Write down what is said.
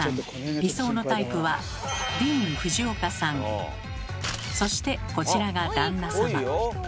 理想のタイプはそしてこちらが旦那様。